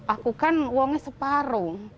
aku kan uangnya separuh